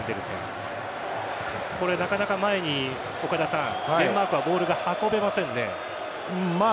なかなか前にデンマークはボールが運べませんね。